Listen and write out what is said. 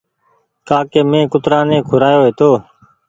ڪآ ڪي مينٚ ڪترآ ني کورآيو هيتو